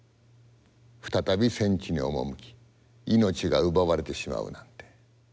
再び戦地に赴き命が奪われてしまうなんて。